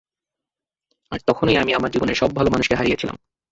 আর তখনই আমি আমার জীবনের সব ভালো মানুষকে হারিয়েছিলাম।